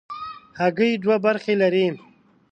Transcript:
هګۍ دوه برخې لري.